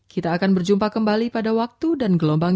kita akan berjumpa kembali pada waktu dan gelombang